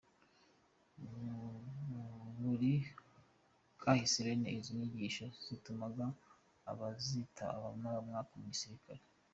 Muri kahise bene izo nyigisho zatumaga abazitaba bamara umwaka mu gisirikar.